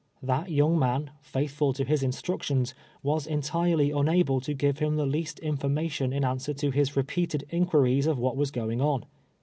That young num, faithful to his instructions, was entirely unable to give him the least information in answer to his repeated inquiries of what was going on.